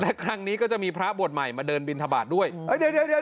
และครั้งนี้ก็จะมีพระบวชใหม่มาเดินบินทบาทด้วยเอ้ยเดี๋ยวเดี๋ยว